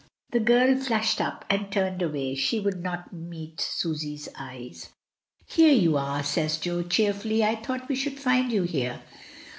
The girl flushed up, and turned away; she would not meet Susy's eyes. "Here you are!" says Jo, cheerfully. "I thought we should find you here."